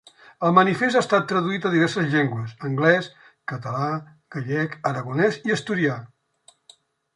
El manifest ha estat traduït a diverses llengües: anglès, català, gallec, aragonès i asturià.